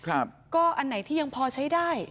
อุปกรณ์การเรียนของลูกเลี้ยงพอใช้ได้